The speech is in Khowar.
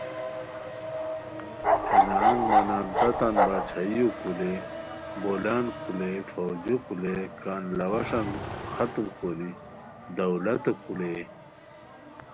ہے نہنگ مہ نان تتان باچھائیو کھولئے بولان کھولئے فوجو کھولئے کان لاواشان ختم کوری دولاتو کھولئے